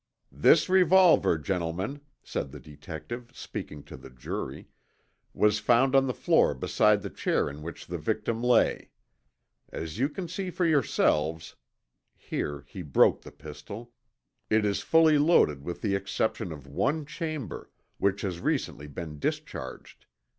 "This revolver, gentlemen," said the detective, speaking to the jury, "was found on the floor beside the chair in which the victim lay. As you can see for yourselves," here he broke the pistol, "it is fully loaded with the exception of one chamber, which has recently been discharged.